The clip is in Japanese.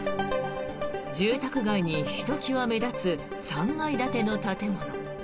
住宅街にひときわ目立つ３階建ての建物。